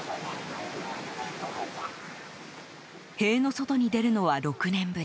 塀の外に出るのは６年ぶり。